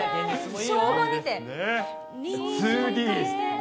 ２Ｄ。